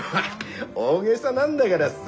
大げさなんだがらさ